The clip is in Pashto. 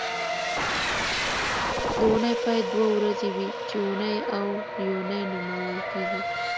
د اونۍ پای دوه ورځې وي چې اونۍ او یونۍ نومول کېږي